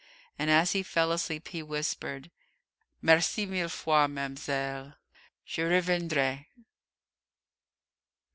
And as he fell asleep he whispered, "Merci, mille fois, ma'mselle; je reviendrai."